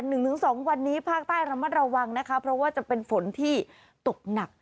หนึ่งถึงสองวันนี้ภาคใต้ระมัดระวังนะคะเพราะว่าจะเป็นฝนที่ตกหนัก